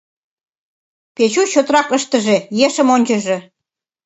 Печу чотрак ыштыже, ешым ончыжо.